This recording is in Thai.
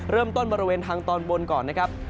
เริ่มต้นบริเวณทางตอนบนก่อนนะครับ